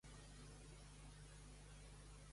Aquest últim ha fet gires amb Cat Power i The Kills.